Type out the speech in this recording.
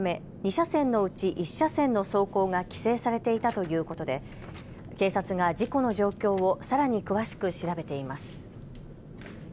１車線の走行が規制されていたということで、警察が事故の状況をさらに詳しく調べています。